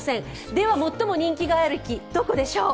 では最も人気がある駅、どこでしょう？